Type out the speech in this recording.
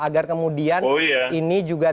agar kemudian ini juga